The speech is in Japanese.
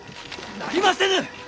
なりませぬ！